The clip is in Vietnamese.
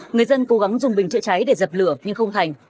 người dân cố gắng dùng bình chữa cháy để dập lửa nhưng không thành